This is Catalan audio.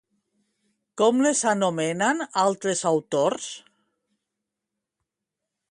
Com les anomenen altres autors?